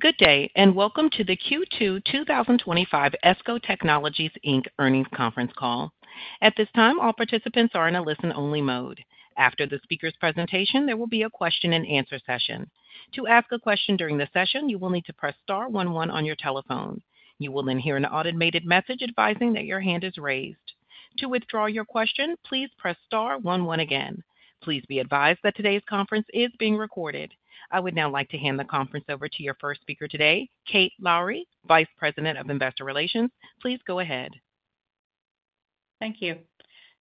Good day, and welcome to the Q2 2025 ESCO Technologies Inc. earnings conference call. At this time, all participants are in a listen-only mode. After the speaker's presentation, there will be a question-and-answer session. To ask a question during the session, you will need to press star one one on your telephone. You will then hear an automated message advising that your hand is raised. To withdraw your question, please press star one one again. Please be advised that today's conference is being recorded. I would now like to hand the conference over to your first speaker today, Kate Lowrey, Vice President of Investor Relations. Please go ahead. Thank you.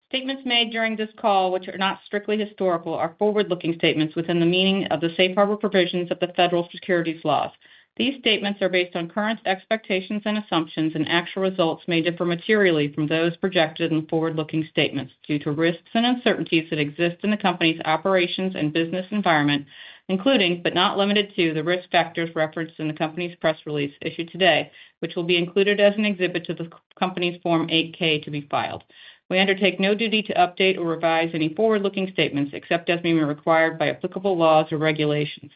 Statements made during this call, which are not strictly historical, are forward-looking statements within the meaning of the safe harbor provisions of the federal securities laws. These statements are based on current expectations and assumptions and actual results may differ materially from those projected in forward-looking statements due to risks and uncertainties that exist in the company's operations and business environment, including, but not limited to, the risk factors referenced in the company's press release issued today, which will be included as an exhibit to the company's Form 8K to be filed. We undertake no duty to update or revise any forward-looking statements except as required by applicable laws or regulations.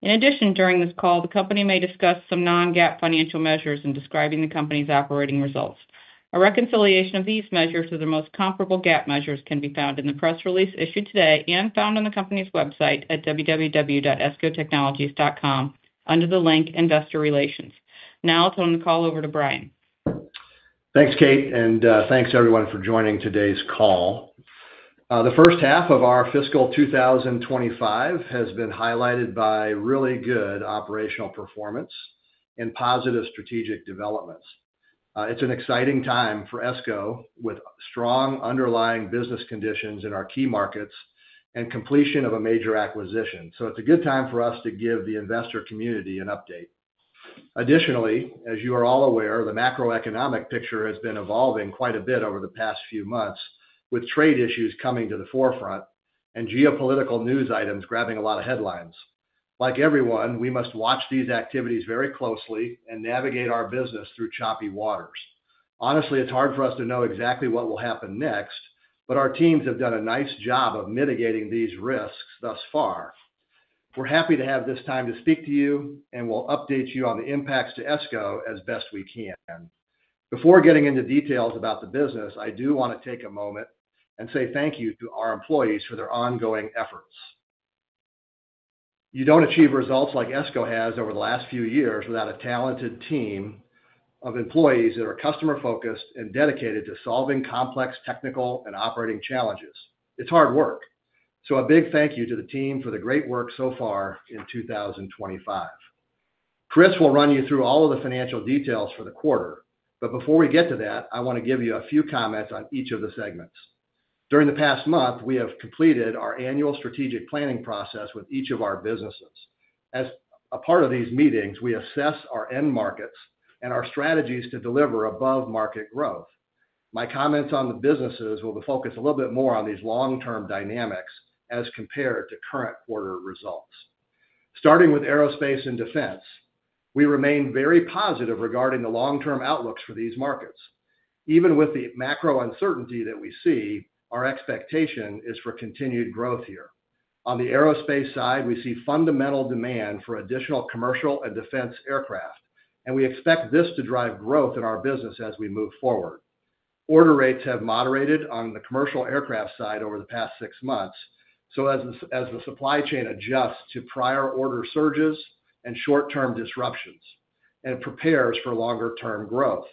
In addition, during this call, the company may discuss some non-GAAP financial measures in describing the company's operating results. A reconciliation of these measures to the most comparable GAAP measures can be found in the press release issued today and found on the company's website at www.escotechnologies.com under the link Investor Relations. Now I'll turn the call over to Bryan. Thanks, Kate, and thanks everyone for joining today's call. The first half of our fiscal 2025 has been highlighted by really good operational performance and positive strategic developments. It's an exciting time for ESCO with strong underlying business conditions in our key markets and completion of a major acquisition. It's a good time for us to give the investor community an update. Additionally, as you are all aware, the macroeconomic picture has been evolving quite a bit over the past few months with trade issues coming to the forefront and geopolitical news items grabbing a lot of headlines. Like everyone, we must watch these activities very closely and navigate our business through choppy waters. Honestly, it's hard for us to know exactly what will happen next, but our teams have done a nice job of mitigating these risks thus far. We're happy to have this time to speak to you, and we'll update you on the impacts to ESCO as best we can. Before getting into details about the business, I do want to take a moment and say thank you to our employees for their ongoing efforts. You don't achieve results like ESCO has over the last few years without a talented team of employees that are customer-focused and dedicated to solving complex technical and operating challenges. It's hard work. A big thank you to the team for the great work so far in 2025. Chris will run you through all of the financial details for the quarter, but before we get to that, I want to give you a few comments on each of the segments. During the past month, we have completed our annual strategic planning process with each of our businesses. As a part of these meetings, we assess our end markets and our strategies to deliver above-market growth. My comments on the businesses will focus a little bit more on these long-term dynamics as compared to current quarter results. Starting with Aerospace & Defense, we remain very positive regarding the long-term outlooks for these markets. Even with the macro uncertainty that we see, our expectation is for continued growth here. On the aerospace side, we see fundamental demand for additional commercial and defense aircraft, and we expect this to drive growth in our business as we move forward. Order rates have moderated on the commercial aircraft side over the past six months, as the supply chain adjusts to prior order surges and short-term disruptions and prepares for longer-term growth.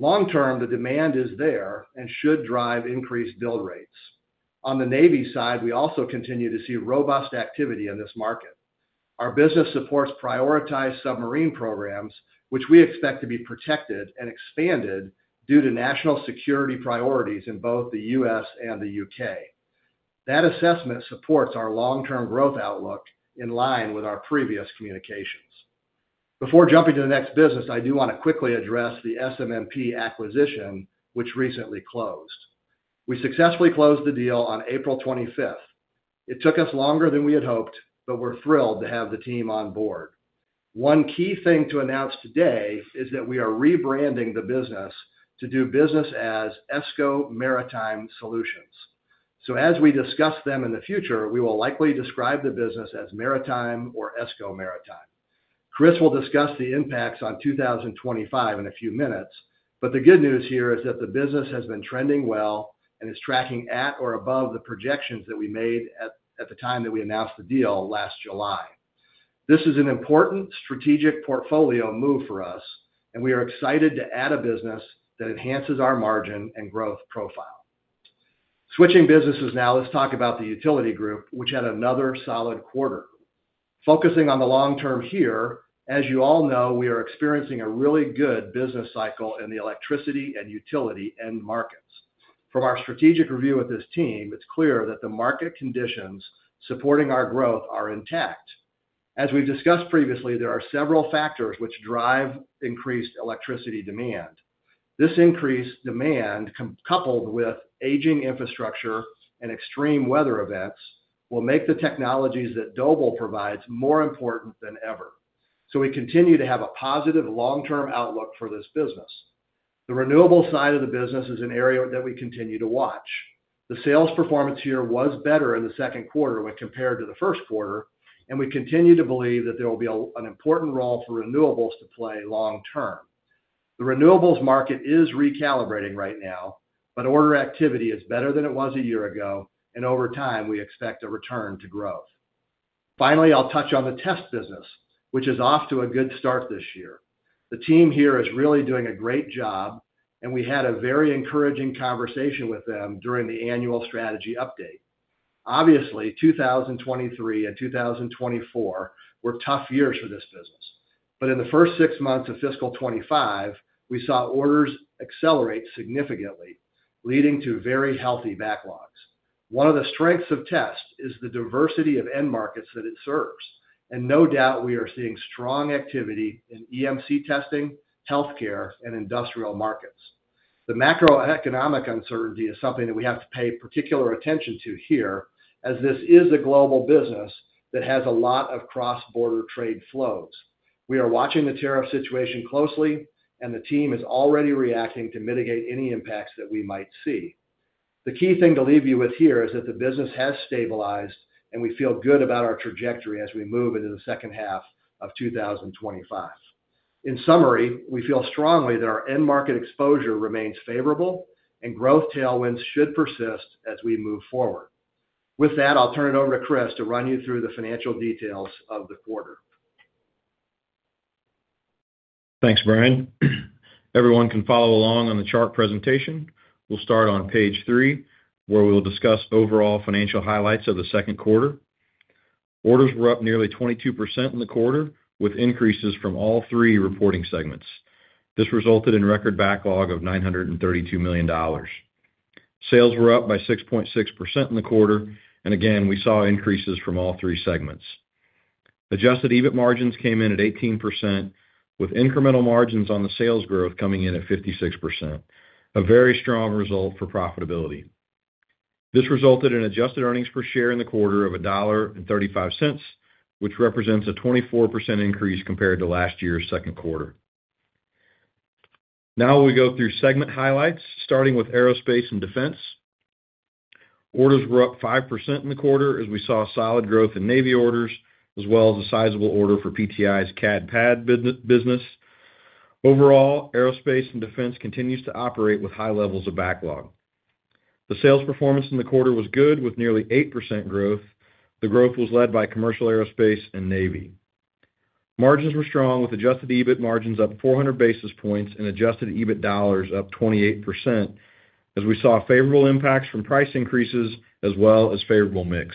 Long-term, the demand is there and should drive increased build rates. On the Navy side, we also continue to see robust activity in this market. Our business supports prioritized submarine programs, which we expect to be protected and expanded due to national security priorities in both the U.S. and the U.K. That assessment supports our long-term growth outlook in line with our previous communications. Before jumping to the next business, I do want to quickly address the SM&P acquisition, which recently closed. We successfully closed the deal on April 25. It took us longer than we had hoped, but we're thrilled to have the team on board. One key thing to announce today is that we are rebranding the business to do business as ESCO Maritime Solutions. As we discuss them in the future, we will likely describe the business as Maritime or ESCO Maritime. Chris will discuss the impacts on 2025 in a few minutes, but the good news here is that the business has been trending well and is tracking at or above the projections that we made at the time that we announced the deal last July. This is an important strategic portfolio move for us, and we are excited to add a business that enhances our margin and growth profile. Switching businesses now, let's talk about the utility group, which had another solid quarter. Focusing on the long term here, as you all know, we are experiencing a really good business cycle in the electricity and utility end markets. From our strategic review with this team, it's clear that the market conditions supporting our growth are intact. As we've discussed previously, there are several factors which drive increased electricity demand. This increased demand, coupled with aging infrastructure and extreme weather events, will make the technologies that Doble provides more important than ever. We continue to have a positive long-term outlook for this business. The renewable side of the business is an area that we continue to watch. The sales performance here was better in the second quarter when compared to the first quarter, and we continue to believe that there will be an important role for renewables to play long-term. The renewables market is recalibrating right now, but order activity is better than it was a year ago, and over time, we expect a return to growth. Finally, I'll touch on the test business, which is off to a good start this year. The team here is really doing a great job, and we had a very encouraging conversation with them during the annual strategy update. Obviously, 2023 and 2024 were tough years for this business, but in the first six months of fiscal 2025, we saw orders accelerate significantly, leading to very healthy backlogs. One of the strengths of test is the diversity of end markets that it serves, and no doubt we are seeing strong activity in EMC testing, healthcare, and industrial markets. The macroeconomic uncertainty is something that we have to pay particular attention to here, as this is a global business that has a lot of cross-border trade flows. We are watching the tariff situation closely, and the team is already reacting to mitigate any impacts that we might see. The key thing to leave you with here is that the business has stabilized, and we feel good about our trajectory as we move into the second half of 2025. In summary, we feel strongly that our end market exposure remains favorable, and growth tailwinds should persist as we move forward. With that, I'll turn it over to Chris to run you through the financial details of the quarter. Thanks, Bryan. Everyone can follow along on the chart presentation. We'll start on page three, where we'll discuss overall financial highlights of the second quarter. Orders were up nearly 22% in the quarter, with increases from all three reporting segments. This resulted in record backlog of $932 million. Sales were up by 6.6% in the quarter, and again, we saw increases from all three segments. Adjusted EBIT margins came in at 18%, with incremental margins on the sales growth coming in at 56%, a very strong result for profitability. This resulted in adjusted earnings per share in the quarter of $1.35, which represents a 24% increase compared to last year's second quarter. Now we go through segment highlights, starting with Aerospace & Defense. Orders were up 5% in the quarter, as we saw solid growth in Navy orders, as well as a sizable order for PTI's CAD/PAD business. Overall, Aerospace & Defense continues to operate with high levels of backlog. The sales performance in the quarter was good, with nearly 8% growth. The growth was led by commercial aerospace and Navy. Margins were strong, with adjusted EBIT margins up 400 basis points and adjusted EBIT dollars up 28%, as we saw favorable impacts from price increases as well as favorable mix.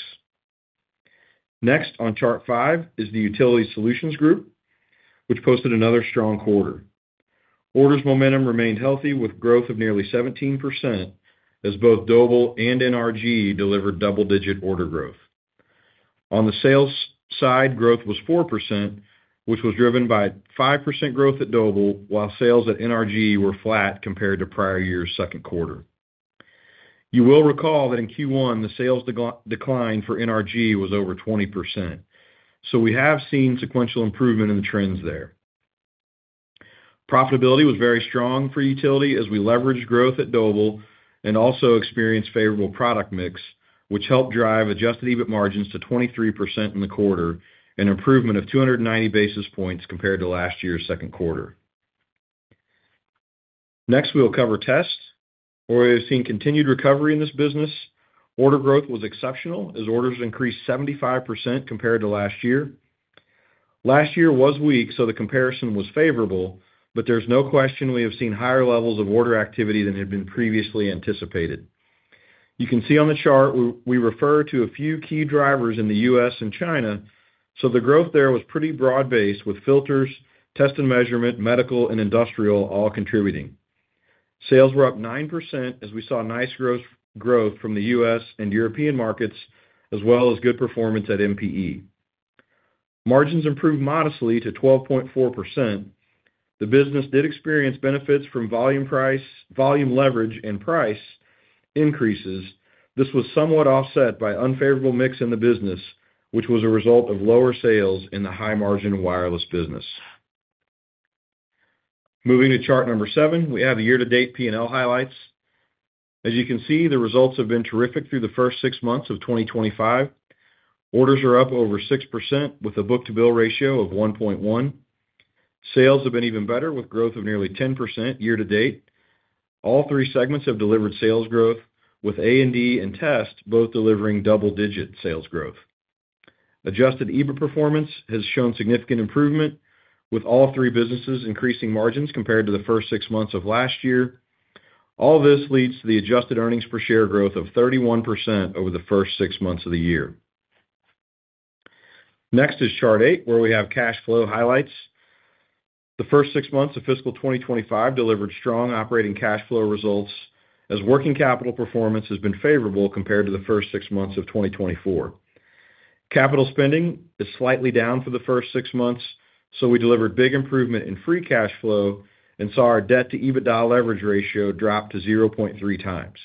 Next on chart five is the Utility Solutions group, which posted another strong quarter. Orders momentum remained healthy, with growth of nearly 17%, as both Doble and NRG delivered double-digit order growth. On the sales side, growth was 4%, which was driven by 5% growth at Doble, while sales at NRG were flat compared to prior year's second quarter. You will recall that in Q1, the sales decline for NRG was over 20%. So we have seen sequential improvement in the trends there. Profitability was very strong for utility as we leveraged growth at Doble and also experienced favorable product mix, which helped drive adjusted EBIT margins to 23% in the quarter and improvement of 290 basis points compared to last year's second quarter. Next, we'll cover test. We have seen continued recovery in this business. Order growth was exceptional, as orders increased 75% compared to last year. Last year was weak, so the comparison was favorable, but there's no question we have seen higher levels of order activity than had been previously anticipated. You can see on the chart we refer to a few key drivers in the U.S. and China, so the growth there was pretty broad-based, with filters, test and measurement, medical, and industrial all contributing. Sales were up 9%, as we saw nice growth from the U.S. and European markets, as well as good performance at MPE. Margins improved modestly to 12.4%. The business did experience benefits from volume leverage and price increases. This was somewhat offset by unfavorable mix in the business, which was a result of lower sales in the high-margin wireless business. Moving to chart number seven, we have year-to-date P&L highlights. As you can see, the results have been terrific through the first six months of 2025. Orders are up over 6% with a book-to-bill ratio of 1.1. Sales have been even better, with growth of nearly 10% year-to-date. All three segments have delivered sales growth, with A&D and test both delivering double-digit sales growth. Adjusted EBIT performance has shown significant improvement, with all three businesses increasing margins compared to the first six months of last year. All this leads to the adjusted earnings per share growth of 31% over the first six months of the year. Next is chart eight, where we have cash flow highlights. The first six months of fiscal 2025 delivered strong operating cash flow results, as working capital performance has been favorable compared to the first six months of 2024. Capital spending is slightly down for the first six months, so we delivered big improvement in free cash flow and saw our debt-to-EBITDA leverage ratio drop to 0.3 times.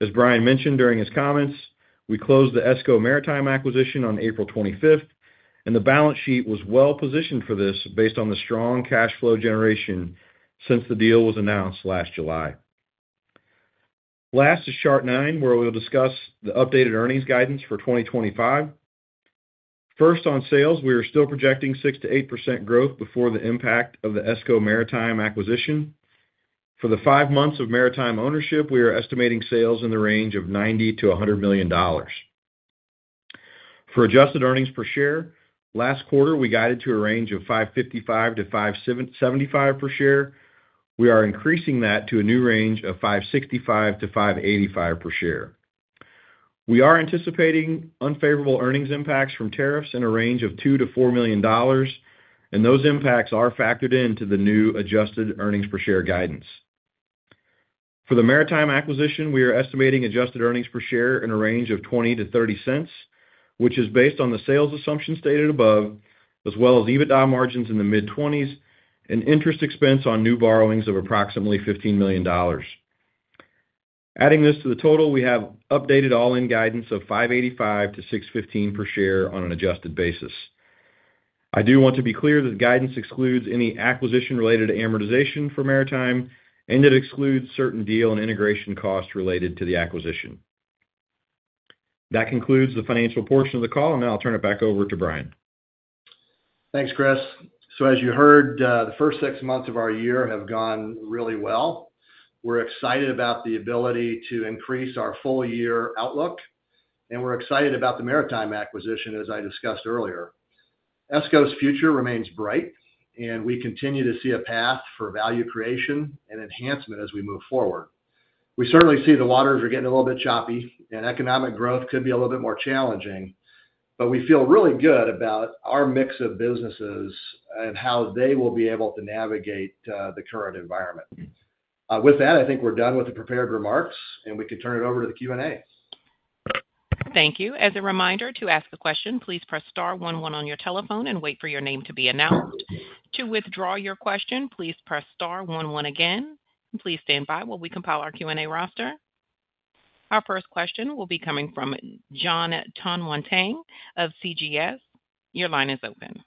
As Bryan mentioned during his comments, we closed the ESCO Maritime acquisition on April 25th, and the balance sheet was well positioned for this based on the strong cash flow generation since the deal was announced last July. Last is chart nine, where we'll discuss the updated earnings guidance for 2025. First, on sales, we are still projecting 6%-8% growth before the impact of the ESCO Maritime acquisition. For the five months of Maritime ownership, we are estimating sales in the range of $90 million-$100 million. For adjusted earnings per share, last quarter we guided to a range of $5.55-$5.75 per share. We are increasing that to a new range of $5.65-$5.85 per share. We are anticipating unfavorable earnings impacts from tariffs in a range of $2-$4 million, and those impacts are factored into the new adjusted earnings per share guidance. For the Maritime acquisition, we are estimating adjusted earnings per share in a range of $0.20-$0.30, which is based on the sales assumption stated above, as well as EBITDA margins in the mid-20% and interest expense on new borrowings of approximately $15 million. Adding this to the total, we have updated all-in guidance of $5.85-$6.15 per share on an adjusted basis. I do want to be clear that the guidance excludes any acquisition related to amortization for Maritime, and it excludes certain deal and integration costs related to the acquisition. That concludes the financial portion of the call, and now I'll turn it back over to Bryan. Thanks, Chris. As you heard, the first six months of our year have gone really well. We're excited about the ability to increase our full-year outlook, and we're excited about the Maritime acquisition, as I discussed earlier. ESCO's future remains bright, and we continue to see a path for value creation and enhancement as we move forward. We certainly see the waters are getting a little bit choppy, and economic growth could be a little bit more challenging, but we feel really good about our mix of businesses and how they will be able to navigate the current environment. With that, I think we're done with the prepared remarks, and we can turn it over to the Q&A. Thank you. As a reminder, to ask a question, please press star one one on your telephone and wait for your name to be announced. To withdraw your question, please press star one one again. Please stand by while we compile our Q&A roster. Our first question will be coming from Jon Tanwanteng of CJS. Your line is open.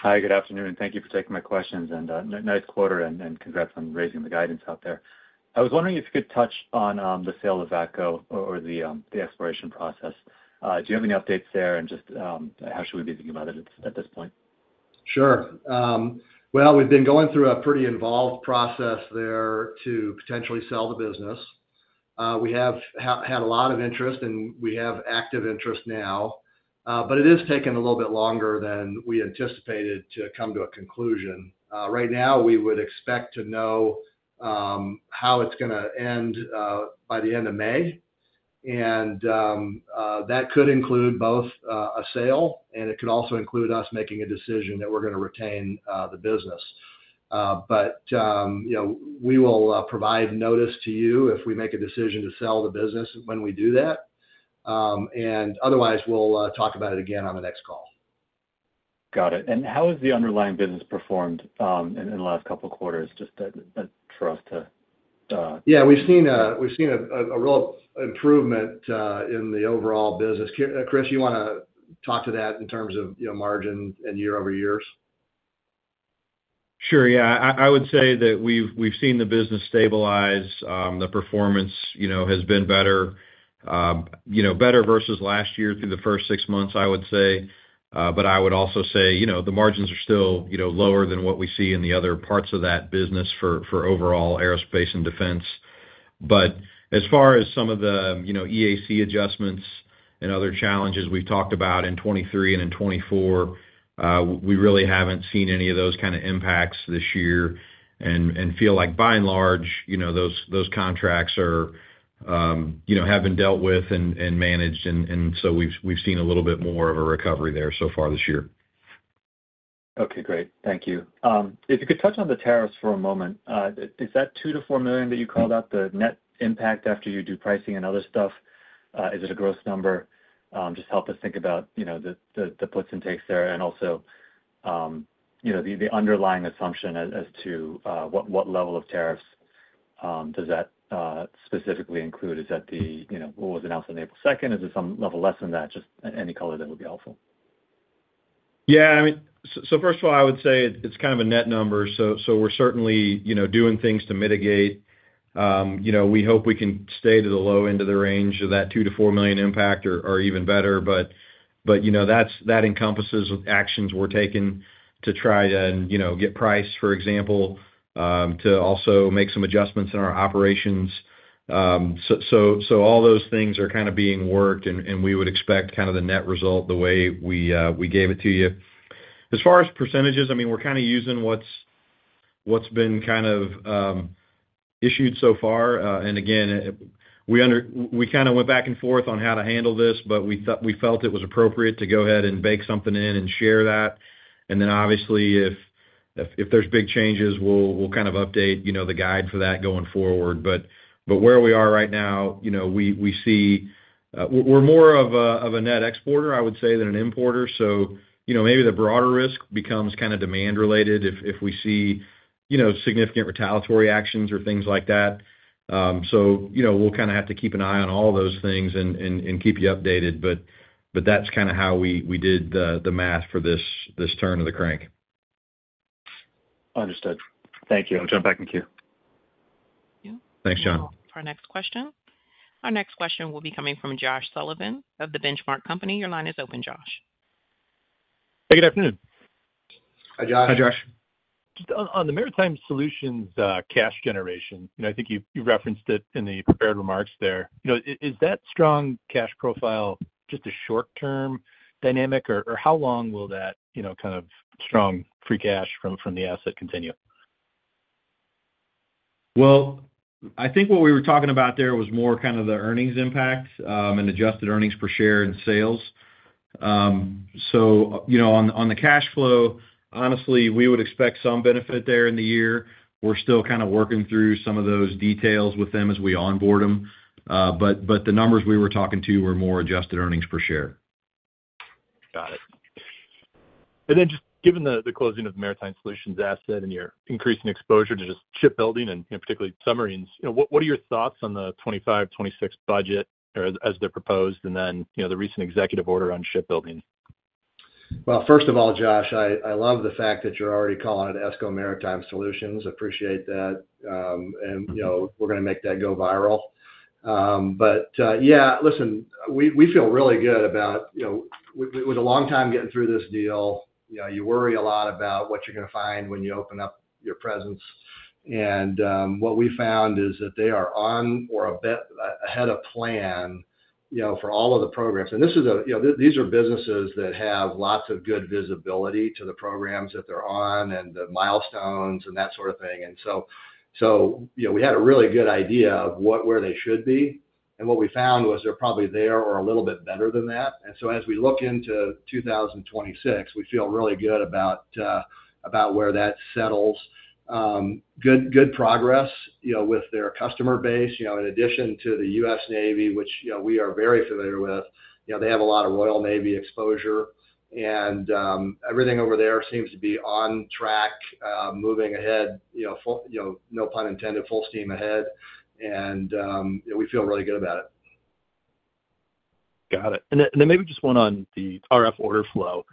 Hi, good afternoon. Thank you for taking my questions. Nice quarter, and congrats on raising the guidance out there. I was wondering if you could touch on the sale of VACCO or the expiration process. Do you have any updates there, and just how should we be thinking about it at this point? Sure. We have been going through a pretty involved process there to potentially sell the business. We have had a lot of interest, and we have active interest now, but it is taking a little bit longer than we anticipated to come to a conclusion. Right now, we would expect to know how it is going to end by the end of May, and that could include both a sale, and it could also include us making a decision that we are going to retain the business. We will provide notice to you if we make a decision to sell the business when we do that. Otherwise, we will talk about it again on the next call. Got it. How has the underlying business performed in the last couple of quarters just for us to? Yeah, we've seen a real improvement in the overall business. Chris, you want to talk to that in terms of margins and year-over-years? Sure. Yeah, I would say that we've seen the business stabilize. The performance has been better, better versus last year through the first six months, I would say. I would also say the margins are still lower than what we see in the other parts of that business for overall Aerospace & Defense. As far as some of the EAC adjustments and other challenges we've talked about in 2023 and in 2024, we really haven't seen any of those kind of impacts this year and feel like, by and large, those contracts have been dealt with and managed. We've seen a little bit more of a recovery there so far this year. Okay, great. Thank you. If you could touch on the tariffs for a moment, is that $2 million-$4 million that you called out the net impact after you do pricing and other stuff? Is it a gross number? Just help us think about the puts and takes there and also the underlying assumption as to what level of tariffs does that specifically include? Is that what was announced on April 2nd? Is it some level less than that? Just any color that would be helpful. Yeah. I mean, first of all, I would say it's kind of a net number. We're certainly doing things to mitigate. We hope we can stay to the low end of the range of that $2 million-$4 million impact or even better. That encompasses actions we're taking to try to get price, for example, to also make some adjustments in our operations. All those things are kind of being worked, and we would expect the net result the way we gave it to you. As far as percentages, we're kind of using what's been issued so far. Again, we went back and forth on how to handle this, but we felt it was appropriate to go ahead and bake something in and share that. Obviously, if there's big changes, we'll kind of update the guide for that going forward. Where we are right now, we see we're more of a net exporter, I would say, than an importer. Maybe the broader risk becomes kind of demand-related if we see significant retaliatory actions or things like that. We'll kind of have to keep an eye on all those things and keep you updated. That's kind of how we did the math for this turn of the crank. Understood. Thank you. I'll turn it back to you. Thanks, Jon. For our next question. Our next question will be coming from Josh Sullivan of The Benchmark Company. Your line is open, Josh. Hey, good afternoon. Hi, Josh. Hi, Josh. On the Maritime Solutions cash generation, I think you referenced it in the prepared remarks there. Is that strong cash profile just a short-term dynamic, or how long will that kind of strong free cash from the asset continue? I think what we were talking about there was more kind of the earnings impact and adjusted earnings per share and sales. On the cash flow, honestly, we would expect some benefit there in the year. We are still kind of working through some of those details with them as we onboard them. The numbers we were talking to were more adjusted earnings per share. Got it. Then just given the closing of the Maritime Solutions asset and your increasing exposure to just shipbuilding and particularly submarines, what are your thoughts on the 2025, 2026 budget as they're proposed, and then the recent executive order on shipbuilding? First of all, Josh, I love the fact that you're already calling it ESCO Maritime Solutions. Appreciate that. We're going to make that go viral. Yeah, listen, we feel really good about it. It was a long time getting through this deal. You worry a lot about what you're going to find when you open up your presence. What we found is that they are on or ahead of plan for all of the programs. These are businesses that have lots of good visibility to the programs that they're on and the milestones and that sort of thing. We had a really good idea of where they should be. What we found was they're probably there or a little bit better than that. As we look into 2026, we feel really good about where that settles. Good progress with their customer base. In addition to the U.S. Navy, which we are very familiar with, they have a lot of Royal Navy exposure. Everything over there seems to be on track, moving ahead, no pun intended, full steam ahead. We feel really good about it. Got it. Maybe just one on the RF order flow.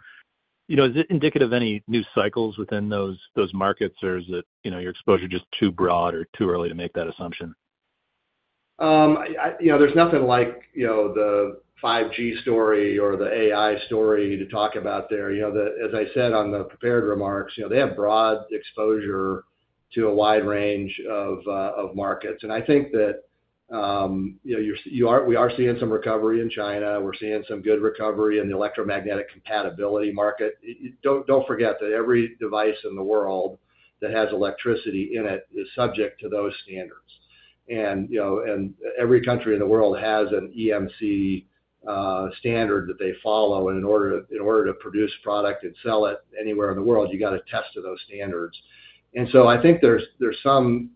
Is it indicative of any new cycles within those markets, or is your exposure just too broad or too early to make that assumption? is nothing like the 5G story or the AI story to talk about there. As I said on the prepared remarks, they have broad exposure to a wide range of markets. I think that we are seeing some recovery in China. We are seeing some good recovery in the electromagnetic compatibility market. Do not forget that every device in the world that has electricity in it is subject to those standards. Every country in the world has an EMC standard that they follow. In order to produce product and sell it anywhere in the world, you have to test to those standards. I think there is some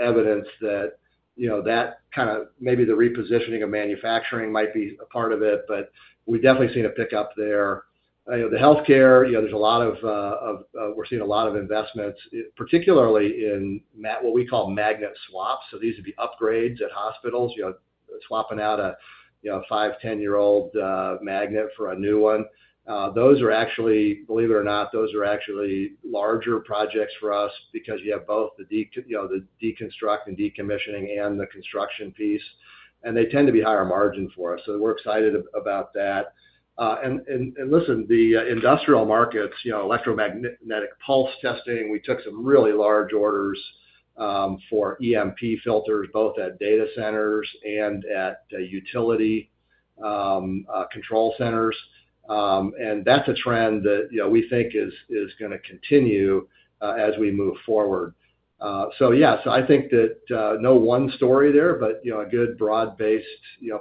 evidence that maybe the repositioning of manufacturing might be a part of it, but we have definitely seen a pickup there. The healthcare, there's a lot of we're seeing a lot of investments, particularly in what we call magnet swaps. These would be upgrades at hospitals, swapping out a 5-10-year-old magnet for a new one. Those are actually, believe it or not, those are actually larger projects for us because you have both the deconstruct and decommissioning and the construction piece. They tend to be higher margin for us. We're excited about that. Listen, the industrial markets, electromagnetic pulse testing, we took some really large orders for EMP filters, both at data centers and at utility control centers. That's a trend that we think is going to continue as we move forward. I think that no one story there, but a good broad-based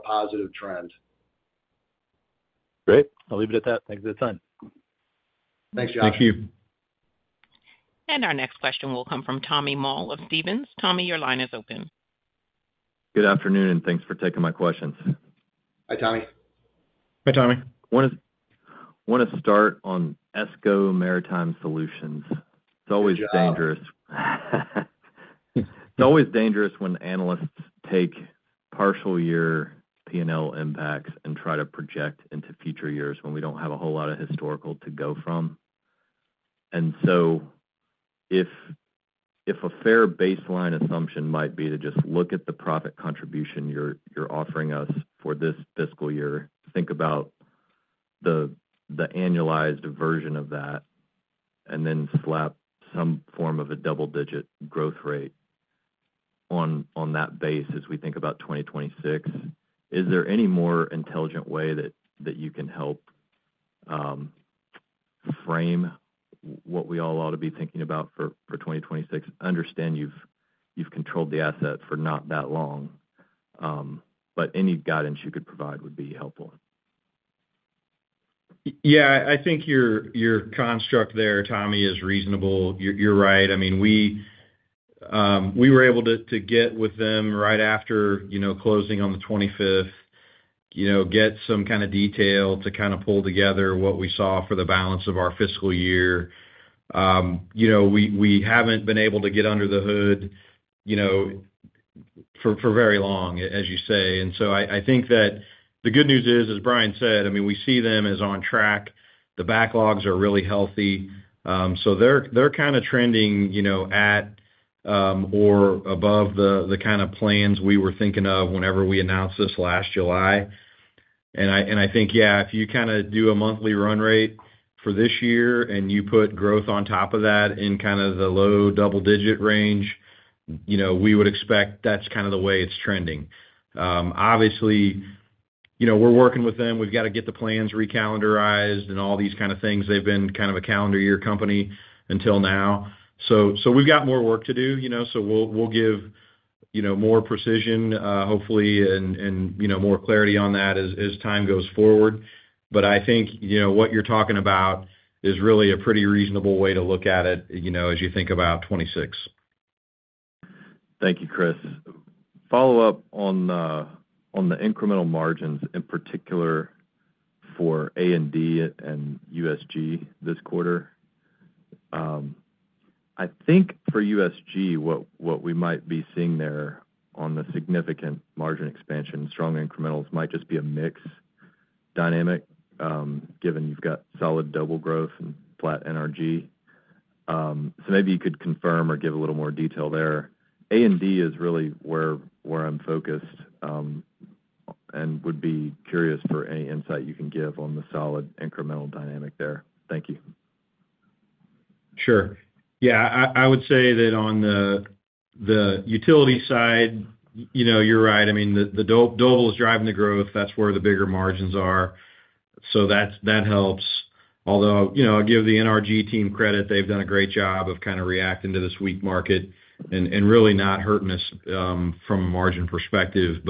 positive trend. Great. I'll leave it at that. Thanks for the time. Thanks, Josh. Thank you. Our next question will come from Tommy Moll of Stephens. Tommy, your line is open. Good afternoon, and thanks for taking my questions. Hi, Tommy. Hi, Tommy. Want to start on ESCO Maritime Solutions? It's always dangerous. It's always dangerous when analysts take partial-year P&L impacts and try to project into future years when we don't have a whole lot of historical to go from. If a fair baseline assumption might be to just look at the profit contribution you're offering us for this fiscal year, think about the annualized version of that, and then slap some form of a double-digit growth rate on that base as we think about 2026. Is there any more intelligent way that you can help frame what we all ought to be thinking about for 2026? Understand you've controlled the asset for not that long, but any guidance you could provide would be helpful. Yeah, I think your construct there, Tommy, is reasonable. You're right. I mean, we were able to get with them right after closing on the 25th, get some kind of detail to kind of pull together what we saw for the balance of our fiscal year. We haven't been able to get under the hood for very long, as you say. I think that the good news is, as Bryan said, I mean, we see them as on track. The backlogs are really healthy. They're kind of trending at or above the kind of plans we were thinking of whenever we announced this last July. I think, yeah, if you kind of do a monthly run rate for this year and you put growth on top of that in the low double-digit range, we would expect that's kind of the way it's trending. Obviously, we're working with them. We've got to get the plans recalendarized and all these kind of things. They've been kind of a calendar-year company until now. We've got more work to do. We'll give more precision, hopefully, and more clarity on that as time goes forward. I think what you're talking about is really a pretty reasonable way to look at it as you think about 2026. Thank you, Chris. Follow-up on the incremental margins in particular for A&D and USG this quarter. I think for USG, what we might be seeing there on the significant margin expansion, strong incrementals might just be a mix dynamic given you've got solid double growth and flat NRG. Maybe you could confirm or give a little more detail there. A&D is really where I'm focused and would be curious for any insight you can give on the solid incremental dynamic there. Thank you. Sure. Yeah, I would say that on the utility side, you're right. I mean, Doble is driving the growth. That's where the bigger margins are. That helps. Although I give the NRG team credit. They've done a great job of kind of reacting to this weak market and really not hurting us from a margin perspective.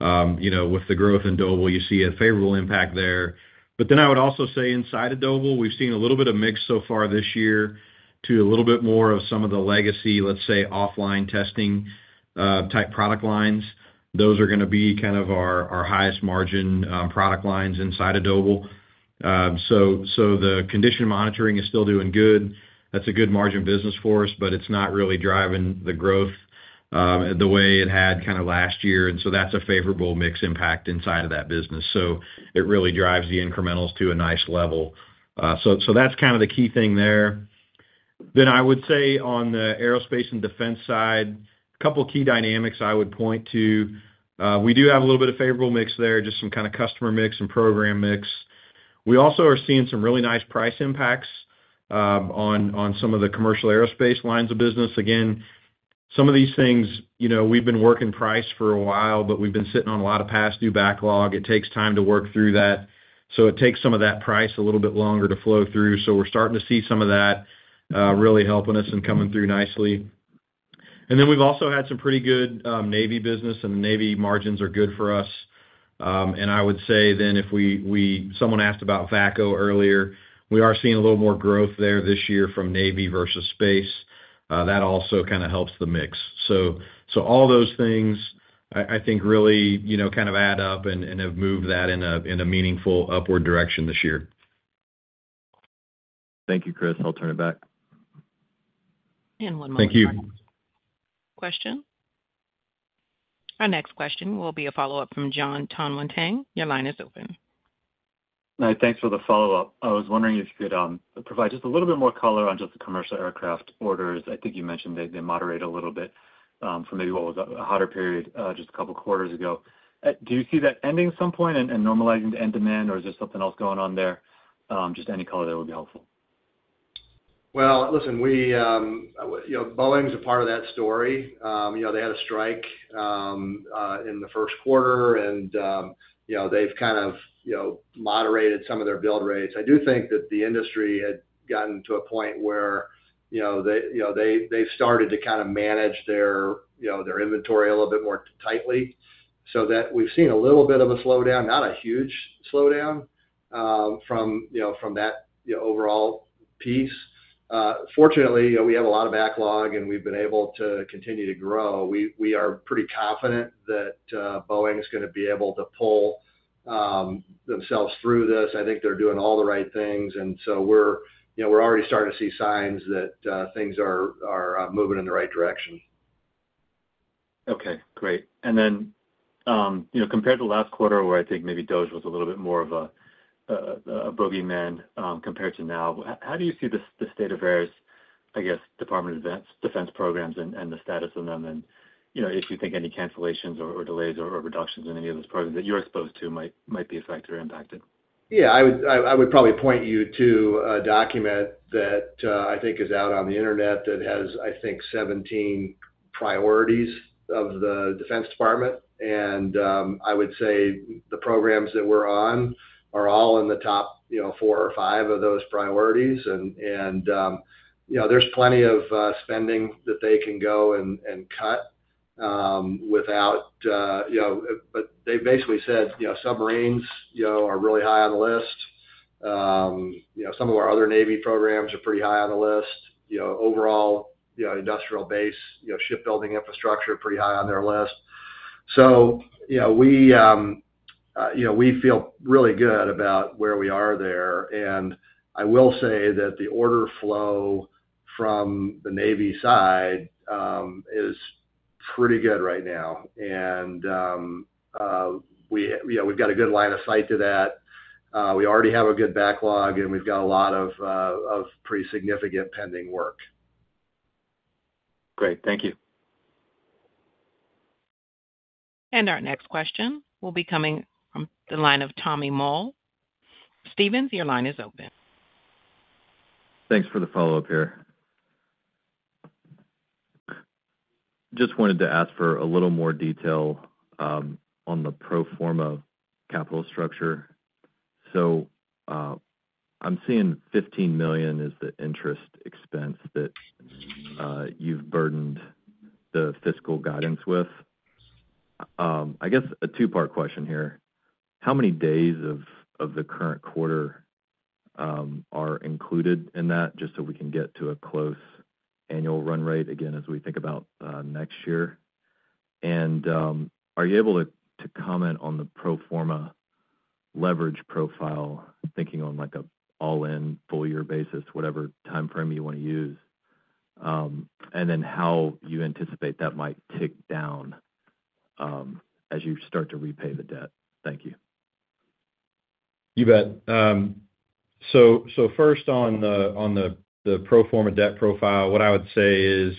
With the growth in Doble, you see a favorable impact there. I would also say inside of Doble, we've seen a little bit of mix so far this year to a little bit more of some of the legacy, let's say, offline testing type product lines. Those are going to be kind of our highest margin product lines inside of Doble. The condition monitoring is still doing good. That's a good margin business for us, but it's not really driving the growth the way it had kind of last year. That is a favorable mix impact inside of that business. It really drives the incrementals to a nice level. That is kind of the key thing there. I would say on the Aerospace & Defense side, a couple of key dynamics I would point to. We do have a little bit of favorable mix there, just some kind of customer mix and program mix. We also are seeing some really nice price impacts on some of the commercial aerospace lines of business. Again, some of these things, we've been working price for a while, but we've been sitting on a lot of past due backlog. It takes time to work through that. It takes some of that price a little bit longer to flow through. We're starting to see some of that really helping us and coming through nicely. We've also had some pretty good Navy business, and the Navy margins are good for us. I would say if someone asked about VACCO earlier, we are seeing a little more growth there this year from Navy versus space. That also kind of helps the mix. All those things, I think, really kind of add up and have moved that in a meaningful upward direction this year. Thank you, Chris. I'll turn it back. One more question. Thank you. Question. Our next question will be a follow-up from Jon Tanwanteng. Your line is open. Thanks for the follow-up. I was wondering if you could provide just a little bit more color on just the commercial aircraft orders. I think you mentioned they moderate a little bit from maybe what was a hotter period just a couple of quarters ago. Do you see that ending at some point and normalizing to end demand, or is there something else going on there? Just any color that would be helpful. Boeing's a part of that story. They had a strike in the first quarter, and they've kind of moderated some of their build rates. I do think that the industry had gotten to a point where they've started to kind of manage their inventory a little bit more tightly. That we've seen a little bit of a slowdown, not a huge slowdown from that overall piece. Fortunately, we have a lot of backlog, and we've been able to continue to grow. We are pretty confident that Boeing is going to be able to pull themselves through this. I think they're doing all the right things. We're already starting to see signs that things are moving in the right direction. Okay. Great. Compared to last quarter, where I think maybe Doble was a little bit more of a bogeyman compared to now, how do you see the state of affairs, I guess, Department of Defense programs and the status of them? If you think any cancellations or delays or reductions in any of those programs that you're exposed to might be affected or impacted. Yeah. I would probably point you to a document that I think is out on the internet that has, I think, 17 priorities of the Defense Department. I would say the programs that we're on are all in the top four or five of those priorities. There's plenty of spending that they can go and cut without. They basically said submarines are really high on the list. Some of our other Navy programs are pretty high on the list. Overall, industrial base, shipbuilding infrastructure is pretty high on their list. We feel really good about where we are there. I will say that the order flow from the Navy side is pretty good right now. We've got a good line of sight to that. We already have a good backlog, and we've got a lot of pretty significant pending work. Great. Thank you. Our next question will be coming from the line of Tommy Moll. Stephens, your line is open. Thanks for the follow-up here. Just wanted to ask for a little more detail on the pro forma capital structure. So I'm seeing $15 million is the interest expense that you've burdened the fiscal guidance with. I guess a two-part question here. How many days of the current quarter are included in that just so we can get to a close annual run rate again as we think about next year? Are you able to comment on the pro forma leverage profile, thinking on an all-in full-year basis, whatever timeframe you want to use, and then how you anticipate that might tick down as you start to repay the debt? Thank you. You bet. First, on the pro forma debt profile, what I would say is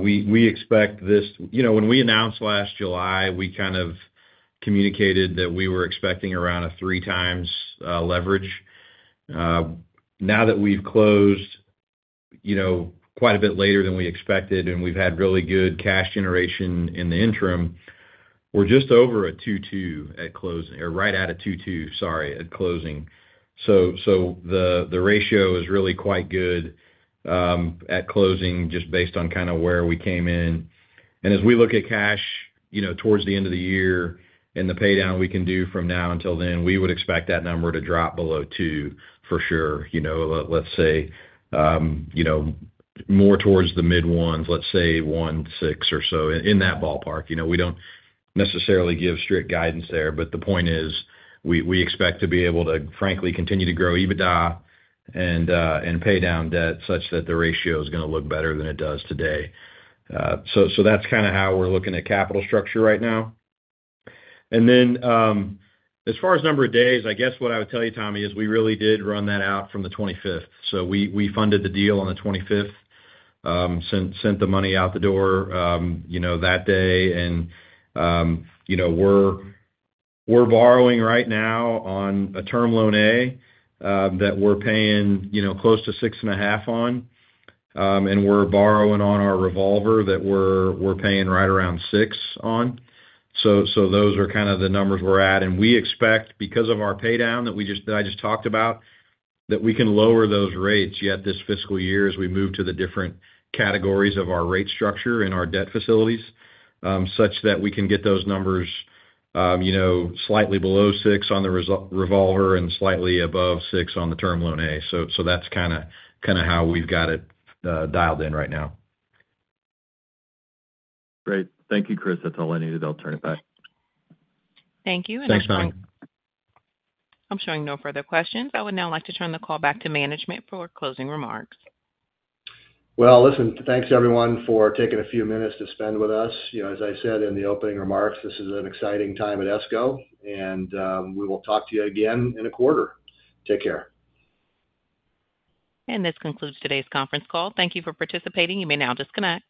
we expect this when we announced last July, we kind of communicated that we were expecting around a three-times leverage. Now that we've closed quite a bit later than we expected, and we've had really good cash generation in the interim, we're just over a 2.2 at closing or right at a 2.2, sorry, at closing. The ratio is really quite good at closing just based on kind of where we came in. As we look at cash towards the end of the year and the paydown we can do from now until then, we would expect that number to drop below 2 for sure. Let's say more towards the mid-1s, let's say 1.6 or so, in that ballpark. We do not necessarily give strict guidance there, but the point is we expect to be able to, frankly, continue to grow EBITDA and pay down debt such that the ratio is going to look better than it does today. That is kind of how we are looking at capital structure right now. As far as number of days, I guess what I would tell you, Tommy, is we really did run that out from the 25th. We funded the deal on the 25th, sent the money out the door that day. We are borrowing right now on a term loan A that we are paying close to 6.5% on. We are borrowing on our revolver that we are paying right around 6% on. Those are kind of the numbers we are at. We expect, because of our paydown that I just talked about, that we can lower those rates yet this fiscal year as we move to the different categories of our rate structure and our debt facilities such that we can get those numbers slightly below 6% on the revolver and slightly above 6% on the term loan A. That is kind of how we have got it dialed in right now. Great. Thank you, Chris. That's all I needed. I'll turn it back. Thank you. Thanks, Tommy. I'm showing no further questions. I would now like to turn the call back to management for closing remarks. Thanks everyone for taking a few minutes to spend with us. As I said in the opening remarks, this is an exciting time at ESCO. We will talk to you again in a quarter. Take care. This concludes today's conference call. Thank you for participating. You may now disconnect.